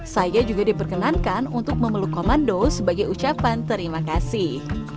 saya juga diperkenankan untuk memeluk komando sebagai ucapan terima kasih